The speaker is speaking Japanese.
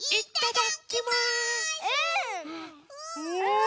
うん！